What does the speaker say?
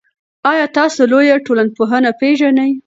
آیا تاسو لویه ټولنپوهنه پېژنئ؟